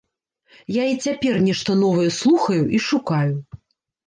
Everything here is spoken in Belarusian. Я і цяпер нешта новае слухаю і шукаю.